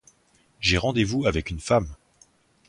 J'ai rendez-vous avec une femme.